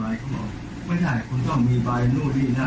เขาบอกว่าไม่ใช่คุณต้องมีใบนู่นดีนัก